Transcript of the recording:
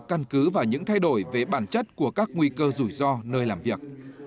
căn cứ vào những thay đổi về bản chất của các nguy cơ rủi ro nơi làm việc